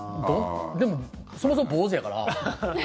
でも、そもそも坊主やから。